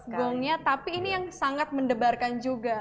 gongnya tapi ini yang sangat mendebarkan juga